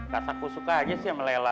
kasar aku suka aja sih sama lela